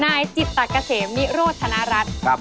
นายจิตตะเกษมิโรธนรัฐครับ